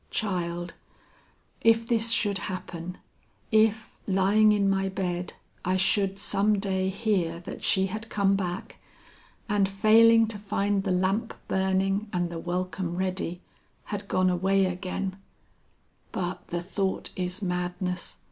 Child, if this should happen, if lying in my bed I should some day hear that she had come back, and failing to find the lamp burning and the welcome ready, had gone away again But the thought is madness.